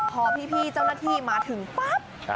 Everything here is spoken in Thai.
พอพี่เจ้าหน้าที่มาถึงปั๊บ